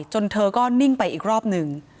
เธอก็นิ่งไปอีกรอบหนึ่ง